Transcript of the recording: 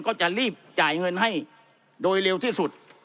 ก็จะรีบจ่ายเงินให้โดยเร็วที่สุด